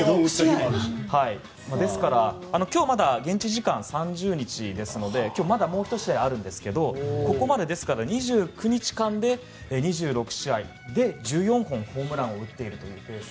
ですから、今日はまだ現地時間３０日ですので今日はまだもう１試合ありますがここまで２９日間２６試合で１４本、ホームランを打っているというペース。